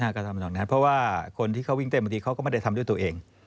ง่ายก็ตามกันไปอย่างนี้เพราะว่าคนที่เขาวิ่งเต็มบางทีเขาก็ไม่ได้ทำด้วยตัวเอง